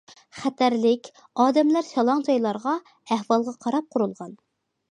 خەتەرلىك، ئادەملەر شالاڭ جايلارغا ئەھۋالغا قاراپ قۇرۇلغان.